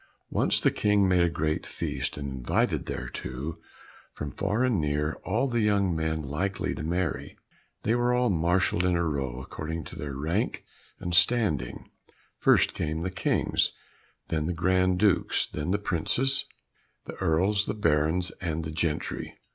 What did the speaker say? Once the King made a great feast and invited thereto, from far and near, all the young men likely to marry. They were all marshalled in a row according to their rank and standing; first came the kings, then the grand dukes, then the princes, the earls, the barons, and the gentry.